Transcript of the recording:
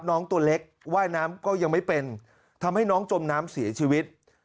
น้องตัวเล็กว่ายน้ำก็ยังไม่เป็นทำให้น้องจมน้ำเสียชีวิต